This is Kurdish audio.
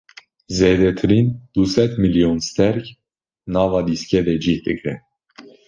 Zêdetirîn du sed mîlyon stêrk nava dîskê de cih digire.